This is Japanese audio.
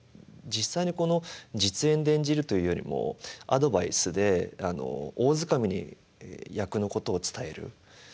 実際に実演で演じるというよりもアドバイスで大づかみに役のことを伝える。